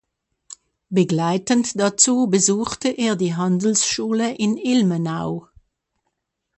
Begleitend dazu besuchte er die Handelsschule in Ilmenau.